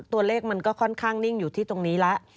ตัวเลขมันก็ค่อนข้างนิ่งอยู่ที่ตรงนี้แล้ว